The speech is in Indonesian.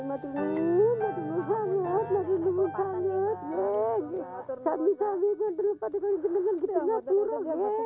madam musang at wewe tani padygoto percaya